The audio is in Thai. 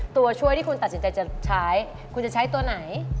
ตัวช่วยที่คุณตัดสินใจจะใช้คุณจะใช้ตัวไหน